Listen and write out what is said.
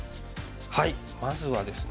まずはですね